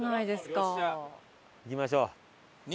行きましょう。